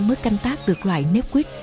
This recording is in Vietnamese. mới canh tác được loại nếp quyết